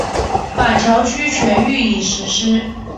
板桥区全域已实施。